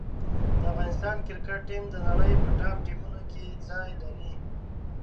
د افغانستان کرکټ ټیم د نړۍ په ټاپ ټیمونو کې ځای لري.